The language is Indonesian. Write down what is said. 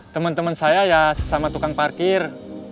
temen temen saya ya sesama tukang parkir